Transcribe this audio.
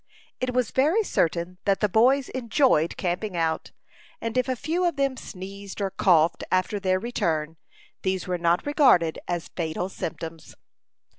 It was very certain that the boys enjoyed camping out; and if a few of them sneezed or coughed after their return, these were not regarded as fatal symptoms.